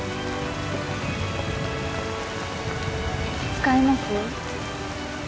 使います？